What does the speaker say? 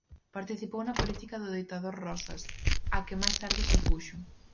Participou na política do ditador Rosas, á que máis tarde se opuxo.